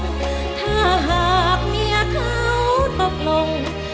ถ้าหากเมียเขาตกลง